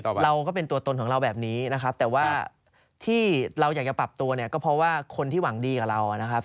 เราก็เป็นตัวตนของเราแบบนี้นะครับแต่ว่าที่เราอยากจะปรับตัวเนี่ยก็เพราะว่าคนที่หวังดีกับเรานะครับ